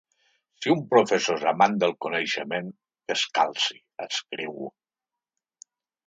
Si un professor és amant del coneixement, que es calci, escriu.